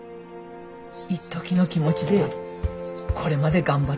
いっときの気持ちでこれまで頑張ってきた